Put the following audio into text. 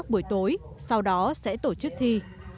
buổi tối sau đó sẽ tổ chức thi